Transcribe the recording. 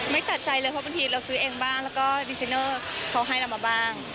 ไม่ตัดใจเลยเพราะบางทีเราซื้อเองบ้างก็ดิสเตรน่อเขาให้เรามาบ้าง